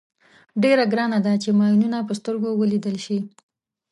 ډېره ګرانه ده چې ماینونه په سترګو ولیدل شي.